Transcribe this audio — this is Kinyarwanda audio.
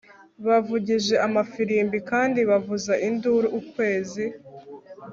Bavugije amafirimbi kandi bavuza induru ukwezi